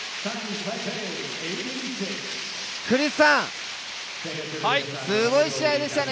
クリスさん、すごい試合でしたね。